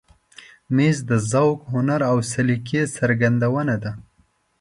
مېز د ذوق، هنر او سلیقې څرګندونه ده.